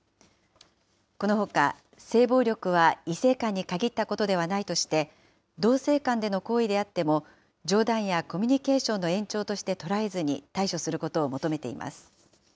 このほか性暴力は異性間に限ったことではないとして、同性間での行為であっても、冗談やコミュニケーションの延長として捉えずに対処することを求めています。